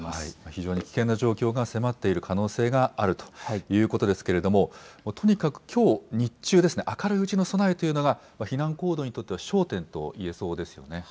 非常に危険な状況が迫っている可能性があるということですけれどもとにかく、きょう日中、明るいうちの備えというのが避難行動にとっては焦点と言えそうですよね。